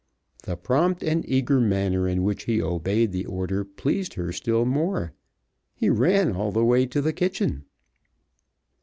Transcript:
The prompt and eager manner in which he obeyed the order pleased her still more. He ran all the way to the kitchen.